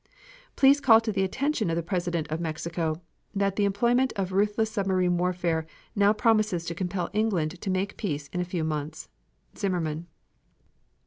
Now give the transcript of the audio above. Please call to the attention of the President of Mexico that the employment of ruthless submarine warfare now promises to compel England to make peace in a few months. ZIMMERMAN.